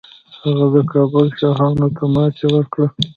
هغه د کابل شاهانو ته ماتې ورکړه